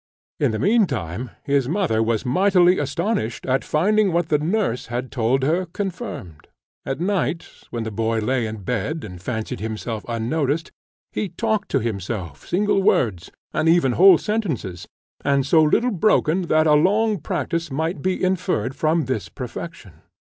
In the meantime his mother was mightily astonished at finding what the nurse had told her confirmed. At night, when the boy lay in bed and fancied himself unnoticed, he talked to himself single words, and even whole sentences, and so little broken that a long practice might be inferred from this perfection.